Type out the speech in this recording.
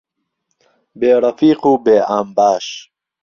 بێ ڕهفیق و بێ ئامباش